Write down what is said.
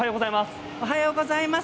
おはようございます。